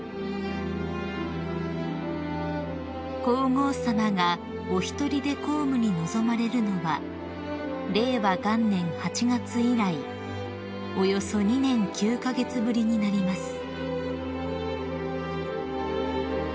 ［皇后さまがお一人で公務に臨まれるのは令和元年８月以来およそ２年９カ月ぶりになります］